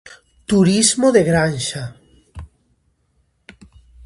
Turismo de granxa.